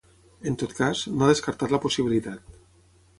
En tot cas, no ha descartat la possibilitat.